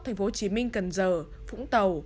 thành phố hồ chí minh cần giờ vũng tàu